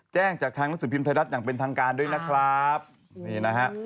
แจ้งจากทางหนังสือพิมพ์ไทยรัฐอย่างเป็นทางการด้วยนะครับนี่นะฮะ